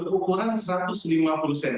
untuk mengangkut barang